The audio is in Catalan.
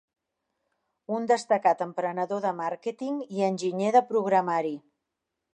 Un destacat emprenedor de màrqueting i enginyer de programari.